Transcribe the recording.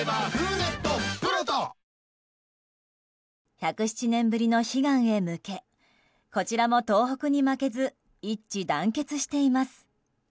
１０７年ぶりの悲願へ向けこちらも東北に負けず一致団結しています。